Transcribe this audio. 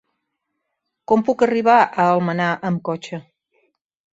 Com puc arribar a Almenar amb cotxe?